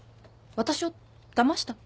私をだました？